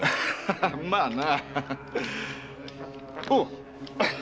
まあな。